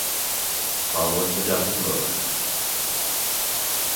Following the death of Mohd.